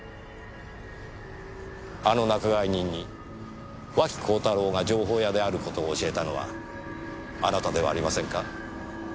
あの仲買人に脇幸太郎が情報屋である事を教えたのはあなたではありませんか？